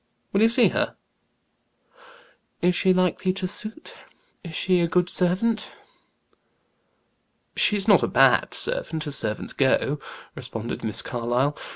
Will you see her?" "Is she likely to suit? Is she a good servant?" "She's not a bad servant, as servants go," responded Miss Carlyle.